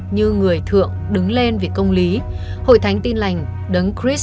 như người thượng đứng lên vì công lý hội thánh tin lành đấng christ